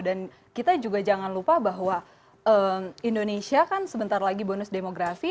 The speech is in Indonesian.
dan kita juga jangan lupa bahwa indonesia kan sebentar lagi bonus demokrasi